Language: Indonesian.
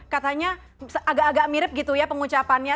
katanya agak agak mirip gitu ya pengucapannya